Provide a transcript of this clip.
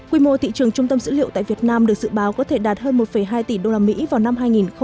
quy mô thị trường trung tâm dữ liệu tại việt nam được dự báo có thể đạt hơn một hai tỷ usd vào năm hai nghìn ba mươi